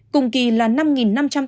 cùng kỳ là năm năm trăm tám mươi tám ca